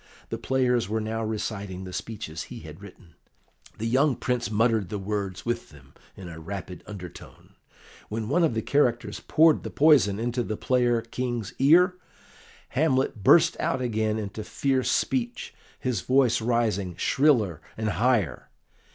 The players were now reciting the speeches he had written; the young Prince muttered the words with them in a rapid undertone. When one of the characters poured the poison into the player King's ear, Hamlet burst out again into fierce speech, his voice rising shriller and higher.